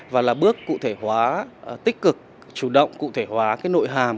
và là bước cụ thể hóa tích cực chủ động cụ thể hóa cái nội hàm